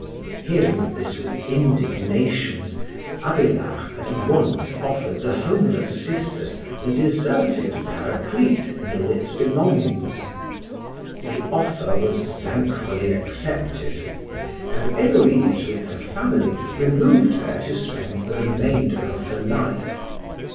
Hearing of this with indignation, Abélard at once offered the homeless sisters the deserted Paraclete and all its belongings. The offer was thankfully accepted, and Héloïse with her family removed there to spend the remainder of her life.